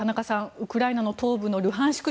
ウクライナの東部のルハンシク